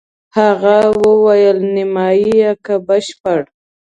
هغه وویل: نیمایي که بشپړ؟